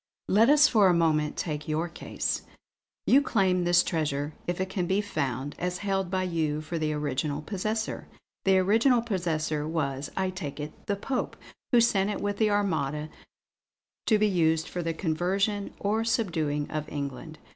Let us for a moment take your case. You claim this treasure if it can be found as held by you for the original possessor. The original possessor was, I take it, the Pope, who sent it with the Armada, to be used for the conversion or subduing of England.